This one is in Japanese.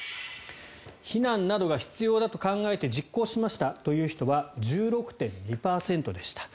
避難等が必要だと考えて実行しましたという人は１６．２％でした。